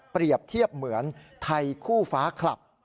เปรียบเทียบเหมือนไทยคู่ฟ้าคลับ